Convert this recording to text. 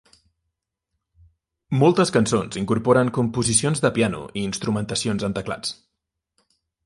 Moltes cançons incorporen composicions de piano y instrumentacions amb teclats.